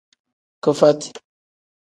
Kifati.